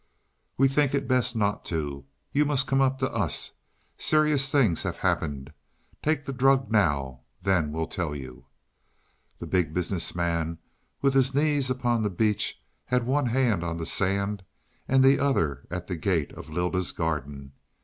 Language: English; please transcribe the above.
"We think it best not to. You must come up to us. Serious things have happened. Take the drug now then we'll tell you." The Big Business Man, with his knees upon the beach, had one hand on the sand and the other at the gate of Lylda's garden.